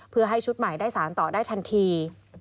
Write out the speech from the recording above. เพื่อให้ชุดใหม่ได้สารต่อได้ทันที